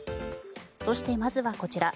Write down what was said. そしてまずはこちら。